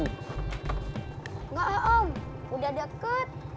enggak om udah deket